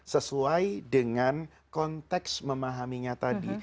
sesuai dengan konteks memahaminya tadi